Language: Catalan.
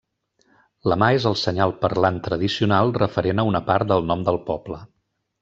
La mà és el senyal parlant tradicional referent a una part del nom del poble.